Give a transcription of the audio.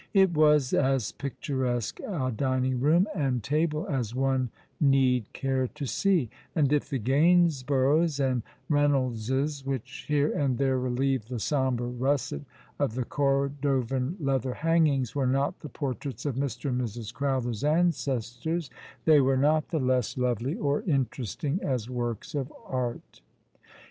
It was as picturesque a dining room and table as one need care to see ; and if the Gainsboroughs and Eeynoldses, which here and there relieved the sombre russet of the Cordovan leather hangings, were not the portraits of Mr. and Mrs. Crowther's ancestors, they were not the less lovely or interesting as works of art.